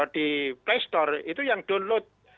di playstore itu yang download